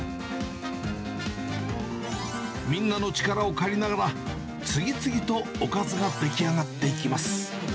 みんなの力を借りながら、次々とおかずが出来上がっていきます。